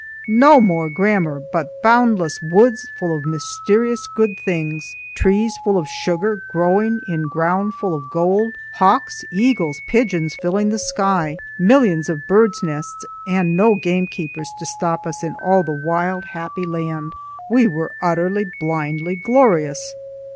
No more grammar, but boundless woods full of mysterious good things; trees full of sugar, growing in ground full of gold; hawks, eagles, pigeons, filling the sky; millions of birds' nests, and no gamekeepers to stop us in all the wild, happy land. We were utterly, blindly glorious.